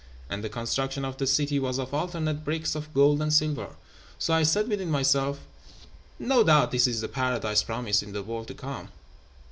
And the construction of the city was of alternate bricks of gold and silver; so I said within myself, No doubt this is the paradise promised in the world to come.